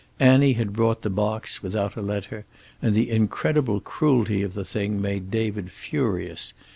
Annie had brought the box, without a letter, and the incredible cruelty of the thing made David furious.